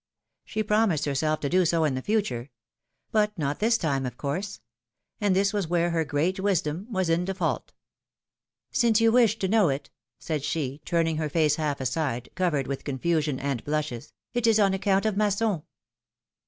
She promised herself to do so in the future — but not this time of course — and this was where her great wisdom was in default. Since you wish to know it," said she, turning her face half aside, covered with confusion and blushes, it is on account of Masson."